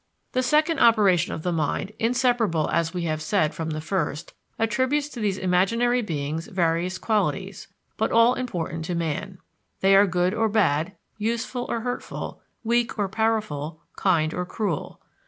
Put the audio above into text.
The second operation of the mind, inseparable, as we have said, from the first, attributes to these imaginary beings various qualities, but all important to man. They are good or bad, useful or hurtful, weak or powerful, kind or cruel.